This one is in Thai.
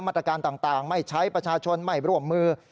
มาตรการต่างไม่ใช้ประชาชนไม่ร่วมมือ